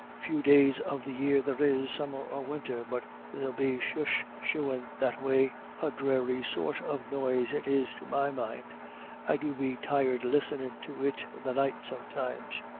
Few days of the year there is, summer or winter, but they'll be shoosh sooin' that way. A dhrary sort of noise it is to my mind. I do be tired listenin' to it in the night sometimes."